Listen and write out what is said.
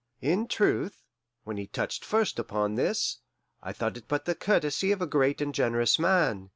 In truth, when he touched first upon this, I thought it but the courtesy of a great and generous man.